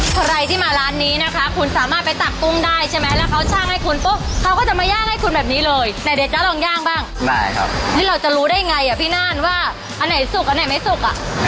ใครที่มาร้านนี้นะคะคุณสามารถไปตักกุ้งได้ใช่ไหมแล้วเขาช่างให้คุณปุ๊บเขาก็จะมาย่างให้คุณแบบนี้เลยแต่เดี๋ยวจะลองย่างบ้างได้ครับเราจะรู้ได้ไงอ่ะพี่น่านว่าอันไหนสุกอันไหนไม่สุกอ่ะ